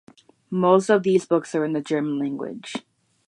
Most of these Books are in German language.